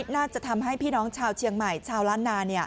น่าจะทำให้พี่น้องชาวเชียงใหม่ชาวล้านนา